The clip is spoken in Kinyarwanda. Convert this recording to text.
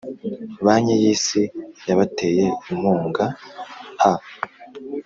Banki yisi yabateye inkungaa